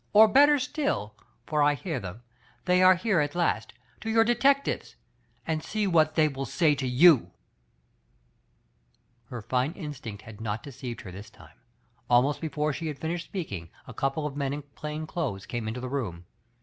Or, better still, for I hear them, they are here at last, to your detectives, and see what they will say to you !" Her fine instinct had not deceived her this time ; almost before she had finished speak ing a couple of men in plain clothes came into the room.